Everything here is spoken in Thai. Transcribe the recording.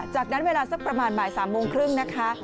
จากนั้นเวลาสักประมาณบ่าย๓โมงครึ่งนะคะ